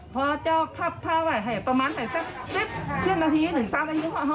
พอเจ้าพับผ้าไว้ประมาณไว้ซักนาทีหรือ๓นาที